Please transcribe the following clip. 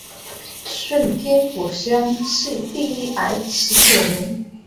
顺天府乡试第一百十九名。